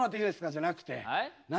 じゃなくて何？